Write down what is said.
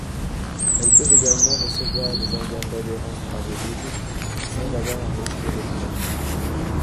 Elles peuvent également recevoir des organes d'adhérence amovibles, sans avoir à retirer les palettes.